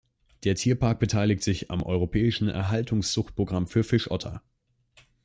Der Tierpark beteiligt sich am Europäischen Erhaltungszuchtprogramm für Fischotter.